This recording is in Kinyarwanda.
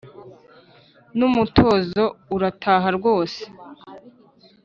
N'umutozo urataha rwose